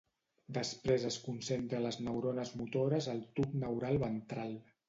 Després es concentra a les neurones motores al tub neural ventral.